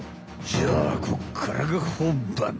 じゃあこっからが本番。